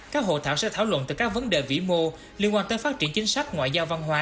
các hội thảo sẽ thảo luận từ các vấn đề vĩ mô liên quan tới phát triển chính sách ngoại giao văn hóa